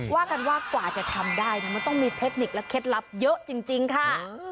ว่ากันว่ากว่าจะทำได้มันต้องมีเทคนิคและเคล็ดลับเยอะจริงค่ะ